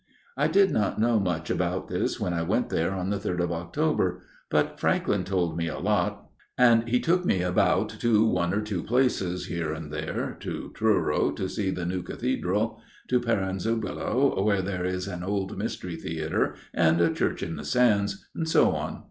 FATHER BRENT'S TALE 57 " I did not know much about this when I went there on the third of October, but Franklyn told me a lot, and he took me about to one or two places here and there to Truro to see the new Cathedral, to Perranzabuloe where there is an old mystery theatre and a church in the sands, and so on.